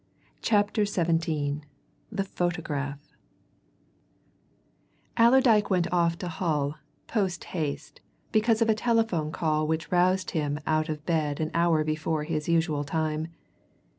CHAPTER XVII THE PHOTOGRAPH Allerdyke went off to Hull, post haste, because of a telephone call which roused him out of bed an hour before his usual time.